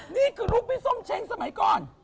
นี่คือรูปพี่ส้มเช้งสมัยก่อน